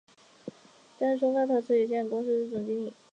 担任松发陶瓷有限公司总经理。